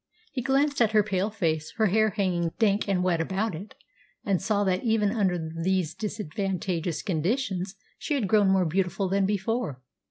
He glanced at her pale face, her hair hanging dank and wet about it, and saw that, even under these disadvantageous conditions, she had grown more beautiful than before.